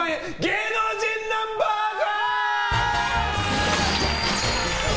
芸能人ナンバーズ！